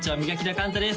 寛大です